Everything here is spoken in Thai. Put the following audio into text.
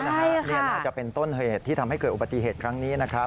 นี่น่าจะเป็นต้นเหตุที่ทำให้เกิดอุบัติเหตุครั้งนี้นะครับ